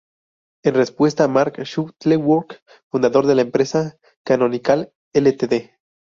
En respuesta, Mark Shuttleworth, fundador de la empresa Canonical Ltd.